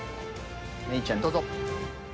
芽郁ちゃんどうぞ。